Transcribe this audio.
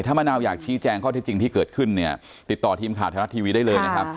ถ้ามะนาวอยากชี้แจงข้อที่จริงที่เกิดขึ้นเนี่ยติดต่อทีมข่าวไทยรัฐทีวีได้เลยนะครับ